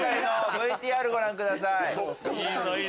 ＶＴＲご覧ください。